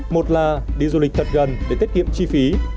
một là đi du lịch thật gần để tiết kiệm chi phí